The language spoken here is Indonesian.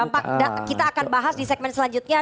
tampak kita akan bahas di segmen selanjutnya